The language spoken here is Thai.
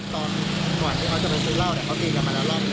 ตอนอาจารย์ไปซื้อเล่าเนี่ยเขาตีกันมาแล้วรอบหนึ่ง